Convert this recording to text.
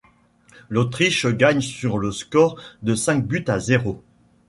L'Autriche gagne sur le score de cinq buts à zéro.